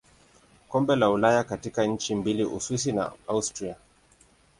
Kombe la Ulaya katika nchi mbili Uswisi na Austria.